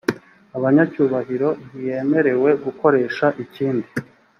abanyacyubahiro ntiyemerewe gukoresha ikindi